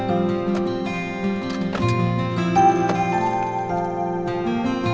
lebih baik lewat tangan darurat aja